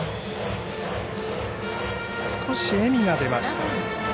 少し笑みが出ました。